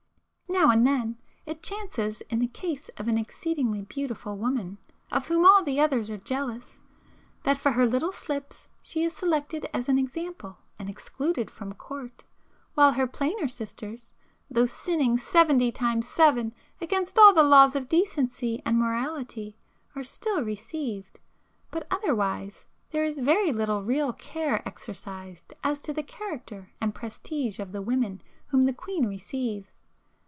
Now and then, it chances in the case of an exceedingly beautiful woman, of whom all the others are jealous, that for her little slips she is selected as an 'example' and excluded from Court, while her plainer sisters, though sinning seventy times seven against all the laws of decency and morality, are still received,—but otherwise, there is very little real care exercised as to the character and prestige of the women whom the Queen receives.